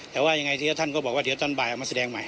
แต่ว่ายังไงทีละท่านก็บอกว่าเดี๋ยวตอนบ่ายออกมาแสดงใหม่